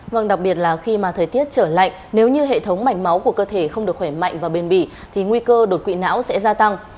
vâng đặc biệt là khi mà thời tiết trở lạnh nếu như hệ thống mạch máu của cơ thể không được khỏe mạnh và bền bỉ thì nguy cơ đột quỵ não sẽ gia tăng